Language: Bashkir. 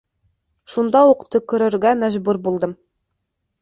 Шунда уҡ төкөрөргә мәжбүр булдым.